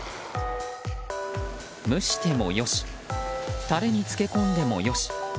蒸しても良しタレに漬け込んでも良し。